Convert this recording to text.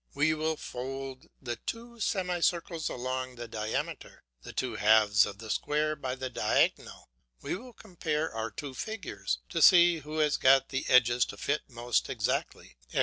We will fold the two semi circles along the diameter, the two halves of the square by the diagonal; he will compare our two figures to see who has got the edges to fit most exactly, i.